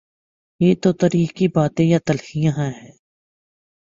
یہ تو تاریخ کی باتیں یا تلخیاں ہیں۔